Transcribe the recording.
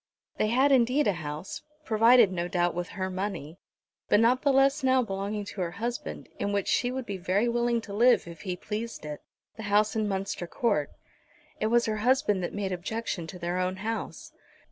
They had indeed a house, provided no doubt with her money, but not the less now belonging to her husband, in which she would be very willing to live if he pleased it, the house in Munster Court. It was her husband that made objection to their own house.